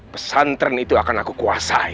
pesantren itu akan aku kuasai